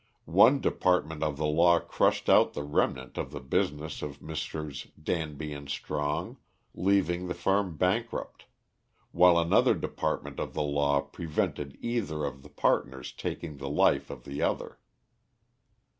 One department of the law crushed out the remnant of the business of Messrs. Danby and Strong, leaving the firm bankrupt, while another department of the law prevented either of the partners taking the life of the other.